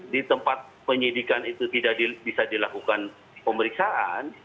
di tempat penyidikan itu tidak bisa dilakukan pemeriksaan